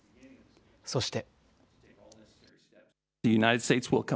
そして。